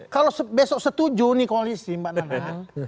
kalau besok setuju nih koalisi mbak nana